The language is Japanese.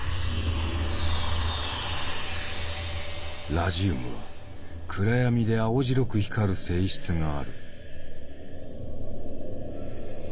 ラジウムは暗闇で青白く光る性質がある。